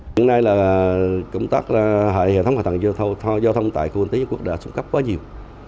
hiện nay là công tác hệ thống hạ tầng giao thông tại khu vận tế dung quốc đã sống cấp quá nhiều